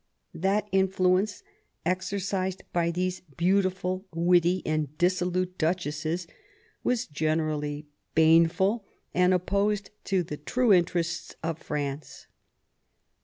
That influence exercised by these beautiful, witty, and dissolute duchesses was generally baneful, and opposed to the true interests of France.